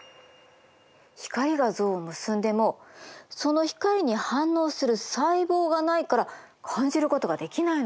光が像を結んでもその光に反応する細胞がないから感じることができないのよ。